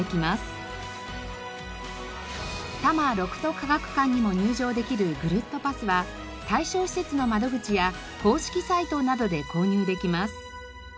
科学館にも入場できるぐるっとパスは対象施設の窓口や公式サイトなどで購入できます。